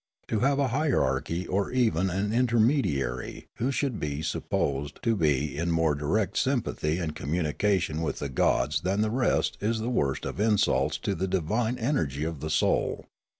To have a hierarchy or even an intermediary who should be sup posed to be in more direct sympathy and communica tion with the gods than the rest is the worst of insults to the divine energy of the soul.